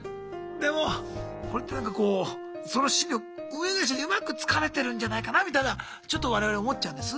でもこれってなんかこうその心理を運営会社にうまく使われてるんじゃないかなみたいなちょっと我々思っちゃうんです。